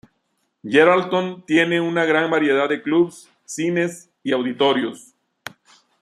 Geraldton tiene una gran variedad de clubes, cines y auditorios.